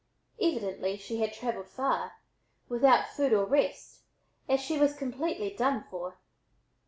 Evidently she had traveled far, without food or rest, as she was completely done for.